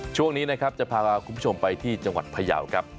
ช่วงนี้นะครับจะพาคุณผู้ชมไปที่จังหวัดพยาวครับ